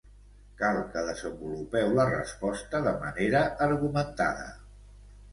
Cal que desenvolupeu la resposta de manera argumentada.